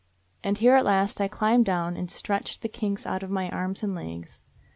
And here at last I climbed down and stretched the kinks out of my arms and legs.